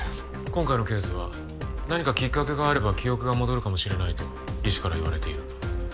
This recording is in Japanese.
今回のケースは何かきっかけがあれば記憶が戻るかもしれないと医師から言われている。